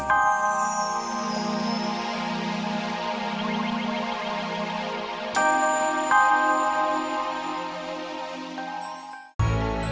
sampai jumpa lagi